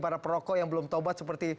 para perokok yang belum taubat seperti